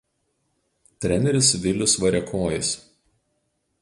Treneris Vilius Variakojis.